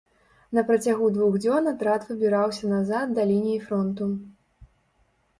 На працягу двух дзён атрад выбіраўся назад да лініі фронту.